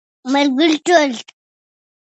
ملګرو ټولو ته